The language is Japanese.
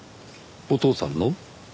お父さんの？